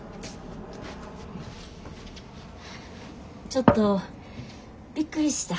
ちょっとびっくりした。